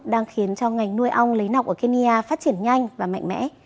đang khiến cho ngành nuôi ong lấy nọc ở kenya phát triển nhanh và mạnh mẽ